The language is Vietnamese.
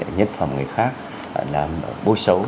nhân phẩm người khác làm bôi xấu